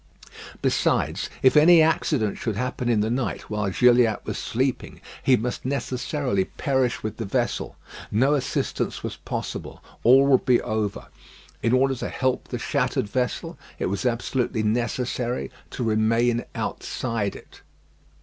Besides, if any accident should happen in the night while Gilliatt was sleeping, he must necessarily perish with the vessel. No assistance was possible; all would be over. In order to help the shattered vessel, it was absolutely necessary to remain outside it.